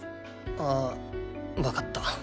ああわかった。